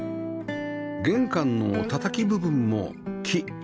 玄関のたたき部分も「木」